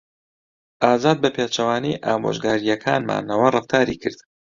ئازاد بەپێچەوانەی ئامۆژگارییەکانمانەوە ڕەفتاری کرد.